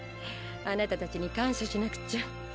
あなたたちに感謝しなくちゃ。